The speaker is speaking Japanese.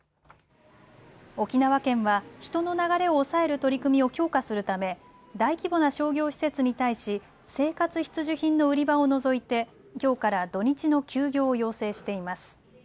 沖縄県は人の流れを抑える取り組みを強化するため大規模な商業施設に対し生活必需品の売り場を除いてきょうから土日の休業を要請しています。